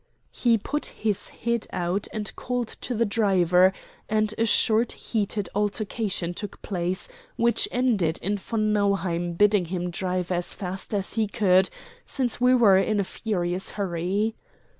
He put his head out and called to the driver, and a short heated altercation took place, which ended in von Nauheim bidding him drive as fast as he could, since we were in a furious hurry.